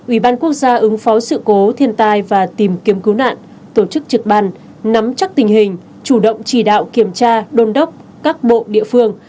ủy ban quốc gia ứng phó sự cố thiên tai và tìm kiếm cứu nạn tổ chức trực ban nắm chắc tình hình chủ động chỉ đạo kiểm tra đôn đốc các bộ địa phương